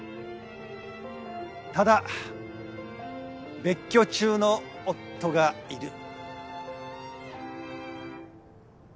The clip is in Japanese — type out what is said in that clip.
ただ別居中の夫がいる。